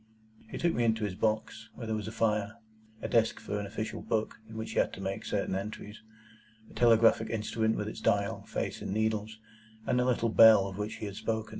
He took me into his box, where there was a fire, a desk for an official book in which he had to make certain entries, a telegraphic instrument with its dial, face, and needles, and the little bell of which he had spoken.